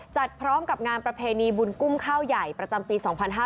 จัดพร้อมกับงานประเพณีบุญกุ้มข้าวใหญ่ประจำปี๒๕๕๙